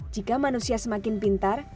jika manusia semakin pintar